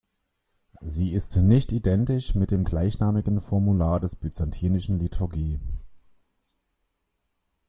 Sie ist nicht identisch mit dem gleichnamigen Formular des Byzantinischen Liturgie.